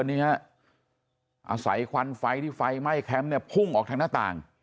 นี่ฮะอาศัยควันไฟที่ไฟไหม้แคมป์เนี่ยพุ่งออกทางหน้าต่าง